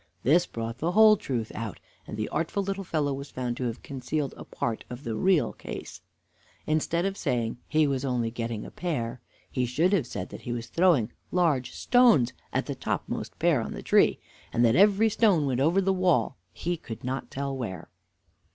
This brought the whole truth out, and the artful little fellow was found to have concealed a part of the real case. Instead of saying "he was only getting a pear," he should have said that he was throwing large stones at the topmost pear on the tree, and that every stone went over the wall, he could not tell where.